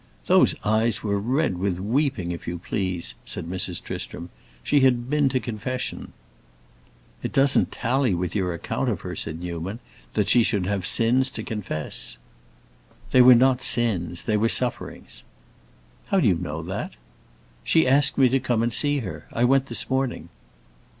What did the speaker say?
"Those eyes were red with weeping, if you please!" said Mrs. Tristram. "She had been to confession." "It doesn't tally with your account of her," said Newman, "that she should have sins to confess." "They were not sins; they were sufferings." "How do you know that?" "She asked me to come and see her; I went this morning."